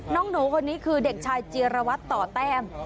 น้องหนูคนนี้คือเด็กชายเจียรวัตรต่อแต้ม